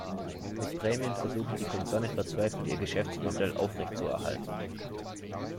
Mit Prämien versuchen die Konzerne verzweifelt, ihr Geschäftsmodell aufrechtzuerhalten.